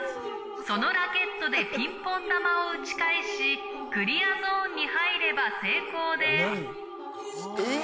そのラケットでピンポン球を打ち返し、クリアゾーンに入れば成功えー？